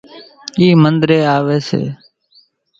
اِي منۮرين آوي سي